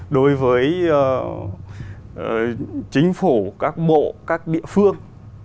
đối với chính phủ các bộ các địa phương